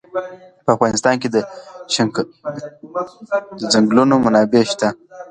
په افغانستان کې د چنګلونه منابع شته.